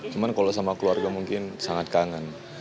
cuma kalau sama keluarga mungkin sangat kangen